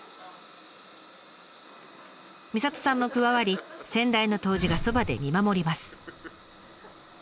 みさとさんも加わり先代の杜氏がそばで見守ります。